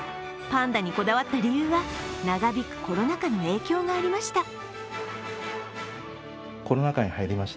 パンダにこだわった理由は、長引くコロナ禍の影響がありました。